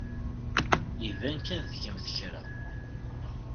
Iban kan tgamt kra.